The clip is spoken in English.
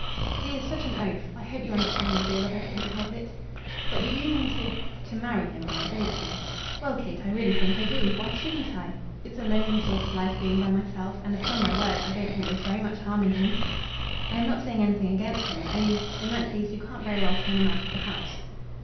"But he is such an oaf. I hope you understand, my dear, that I couldn't help it?" "But you do mean to to marry him, aunt; don't you?" "Well, Kate, I really think I do. Why shouldn't I? It's a lonely sort of life being by myself; and, upon my word, I don't think there's very much harm in him." "I am not saying anything against him; only in that case you can't very well turn him out of the house."